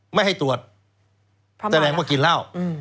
ไม่ให้ตรวจแสดงว่ากินเหล้า